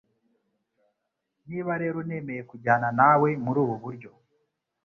Niba rero nemeye kujyana nawe muri ubu buryo